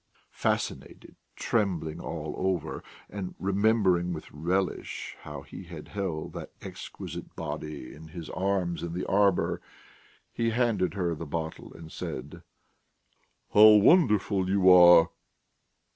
Fascinated, trembling all over, and remembering with relish how he had held that exquisite body in his arms in the arbour, he handed her the bottle and said: "How wonderful you are!"